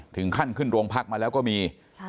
ถึงขั้นขึ้นโรงพักมาแล้วก็มี